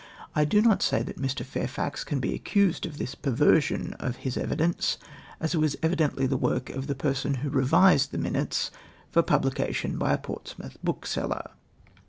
I do not say that ]\Ii\ Fairfax can be accused of this perversion of his evidence, as it was evidently the work of the person who revised the minutes for pubhcation by a Portsmouth bookseller.